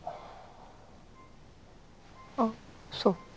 あっそう。